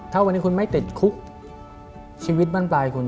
ถ้าวันนี้คุณไม่ติดคุกชีวิตบ้านปลายคุณ